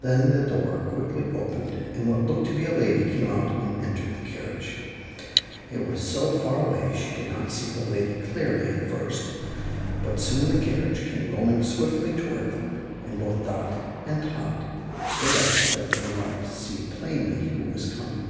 Then the door quickly opened, and what looked to be a lady came out and entered the carriage. It was so far away she could not see the lady clearly at first; but soon the carriage came rolling swiftly toward them, and both Dot and Tot stood up that they might see plainly who was coming.